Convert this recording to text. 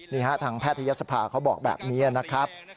นี่ฮะทางแพทยศภาเขาบอกแบบนี้นะครับ